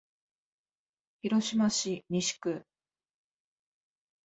広島市西区